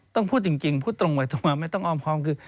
ต้องพูดจริงจริงพูดตรงไว้ตรงนั้นไม่ต้องอ้อมความคือ